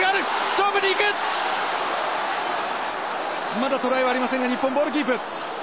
まだトライはありませんが日本ボールキープ。